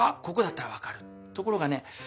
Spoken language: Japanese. ここだったら分かる」ところがね